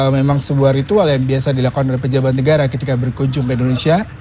memang sebuah ritual yang biasa dilakukan oleh pejabat negara ketika berkunjung ke indonesia